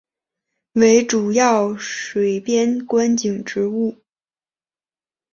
为主要水边观景植物。